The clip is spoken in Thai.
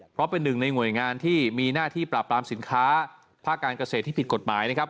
เพราะเป็นหนึ่งในหน่วยงานที่มีหน้าที่ปราบปรามสินค้าภาคการเกษตรที่ผิดกฎหมายนะครับ